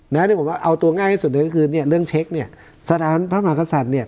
ที่ผมว่าเอาตัวง่ายที่สุดเลยก็คือเนี่ยเรื่องเช็คเนี่ยสถานพระมหากษัตริย์เนี่ย